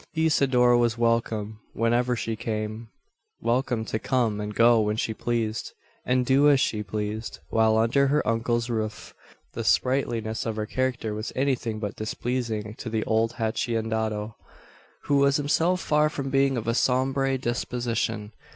Isidora was welcome whenever she came; welcome to come and go when she pleased; and do as she pleased, while under her uncle's roof. The sprightliness of her character was anything but displeasing to the old haciendado; who was himself far from being of a sombre disposition.